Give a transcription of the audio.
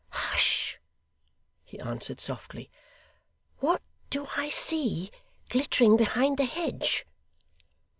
'Hush!' he answered softly. 'What do I see glittering behind the hedge?